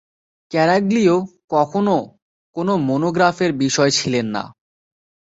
Caraglio কখনও কোন মনোগ্রাফের বিষয় ছিলেন না।